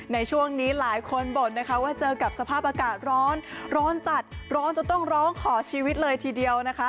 ในช่วงนี้หลายคนบ่นนะคะว่าเจอกับสภาพอากาศร้อนร้อนจัดร้อนจนต้องร้องขอชีวิตเลยทีเดียวนะคะ